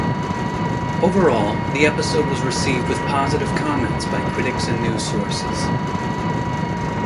Overall, the episode was received with positive comments by critics and news sources.